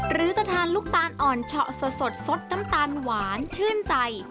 หรือจะทานลูกตาลอ่อนเฉาะสดสดน้ำตาลหวานชื่นใจ